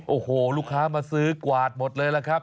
โอ้โหลูกค้ามาซื้อกวาดหมดเลยล่ะครับ